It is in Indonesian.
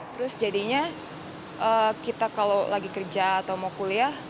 terus jadinya kita kalau lagi kerja atau mau kuliah